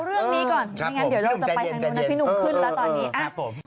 เพราะฉะนั้นเดี๋ยวเราจะไปพี่หนุ่มขึ้นแล้วตอนนี้